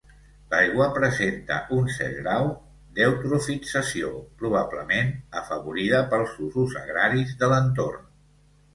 L'aigua presenta un cert grau d'eutrofització, probablement afavorida pels usos agraris de l'entorn.